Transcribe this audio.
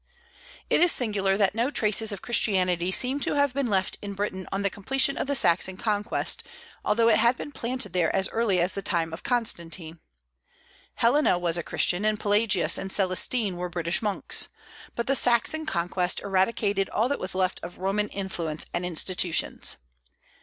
It is singular that no traces of Christianity seem to have been left in Britain on the completion of the Saxon conquest, although it had been planted there as early as the time of Constantine. Helena was a Christian, and Pelagius and Celestine were British monks. But the Saxon conquest eradicated all that was left of Roman influence and institutions.